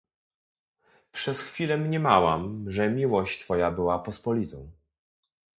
"Przez chwilę mniemałam, że miłość twoja była pospolitą."